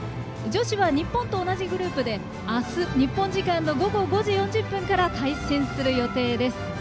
女子は日本と同じグループであす、日本時間の午後５時４０分から対戦する予定です。